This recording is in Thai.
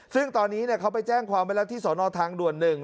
ซึ่งตอนนี้เขาไปแจ้งความเป็นรักที่สอนอทางด่วนหนึ่ง